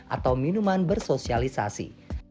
atau minuman bersosialisasi